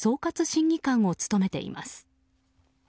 審議官を務めています。